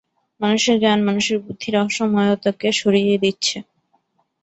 মানুষের জ্ঞান, মানুষের বুদ্ধি রহস্যময়তাকে সরিয়ে দিচ্ছে।